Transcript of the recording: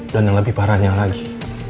dan yang lebih parahnya lagi